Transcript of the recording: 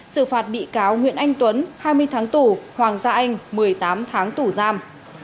xử phạt bị cáo nguyễn anh tuấn hai mươi tháng tù hoàng gia anh một mươi tám tháng tù giam